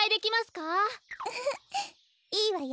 ウフフいいわよ。